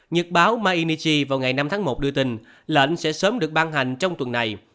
nhật báo mahinici vào ngày năm tháng một đưa tin lệnh sẽ sớm được ban hành trong tuần này